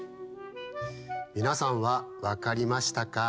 みなさんはわかりましたか？